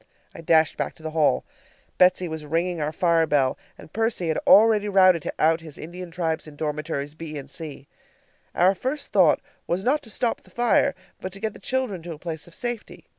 I dashed back to the hall. Betsy was ringing our fire bell, and Percy had already routed out his Indian tribes in dormitories B and C. Our first thought was not to stop the fire, but to get the children to a place of safety.